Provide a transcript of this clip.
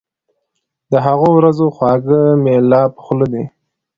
د هغو ورځو خواږه مي لا په خوله دي